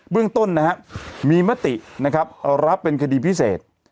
เบื้องต้นมีมติรับเป็นคดีพิเศษ